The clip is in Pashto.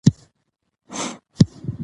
مور او پلار ته درناوی د هر چا دنده ده.